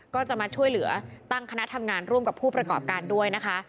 ก็จะมาช่วยเหลือตั้งคณะทำงานร่วมกับผู้ประกอบการด้วยนะคะ